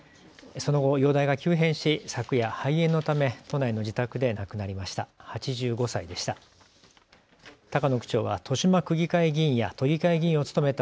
その後、容体が急変し昨夜、肺炎のため都内の自宅で亡くなりました。